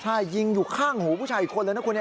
ใช่ยิงอยู่ข้างหูผู้ชายอีกคนเลยนะคุณ